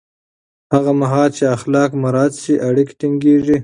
هغه مهال چې اخلاق مراعت شي، اړیکې ټینګېږي.